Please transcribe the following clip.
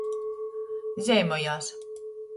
Zeimojās.